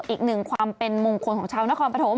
อีกหนึ่งความเป็นมงคลของชาวนครปฐม